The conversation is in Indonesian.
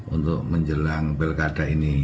untuk menjelang pilkada ini